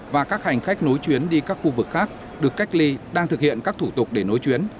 và các hành khách nối chuyến đi các khu vực khác được cách ly đang thực hiện các thủ tục để nối chuyến